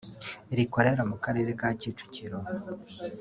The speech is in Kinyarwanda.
rikorera mu Karere ka Kicukiro